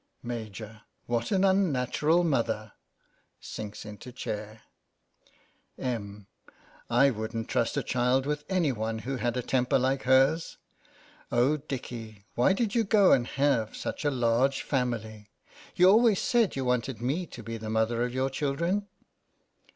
Maj, : What an unnatural mother ! (Sinks into chair.) Em, : I wouldn't trust a child with any one who had a temper like hers. Oh, Dickie, why did you go and have such a large family ? 8 114 THE BAKER'S DOZEN You always said you wanted me to be the mother of your children.